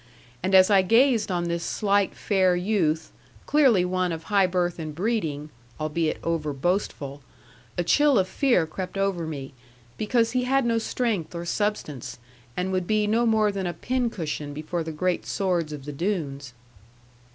And as I gazed on this slight fair youth, clearly one of high birth and breeding (albeit over boastful), a chill of fear crept over me; because he had no strength or substance, and would be no more than a pin cushion before the great swords of the Doones.